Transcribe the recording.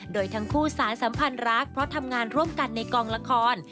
โดยทั้งคู่สารสัมพันธ์รักเพราะทำงานร่วมกันในกองละคร